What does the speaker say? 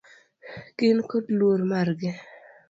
Gin kod luor margi.